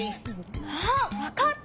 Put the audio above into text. あっわかった！